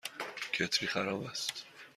کتری خراب است.